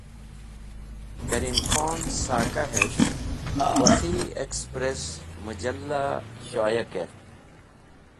Karim Khon Saka hes̃h “Wakhi Express” Mujallah Shoya kert.